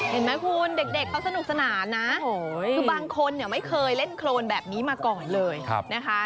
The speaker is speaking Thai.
เห็นไหมคุณเด็กเขาสนุกสนานนะคือบางคนเนี่ยไม่เคยเล่นโครนแบบนี้มาก่อนเลยนะคะ